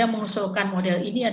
mengusulkan model ini